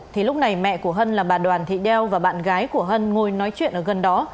thì lúc này mẹ của hân là bà đoàn thị đeo và bạn gái của hân ngồi nói chuyện ở gần đó